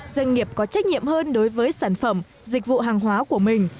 doanh nghiệp có trách nhiệm hơn đối với sản phẩm dịch vụ hàng hóa của mình